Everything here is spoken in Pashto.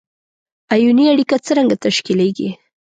آیوني اړیکه څرنګه تشکیلیږي؟